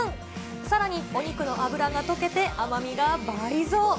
さらにお肉の脂が溶けて甘みが倍増。